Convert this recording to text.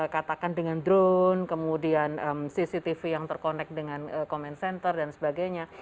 katakan dengan drone kemudian cctv yang terkonek dengan comment center dan sebagainya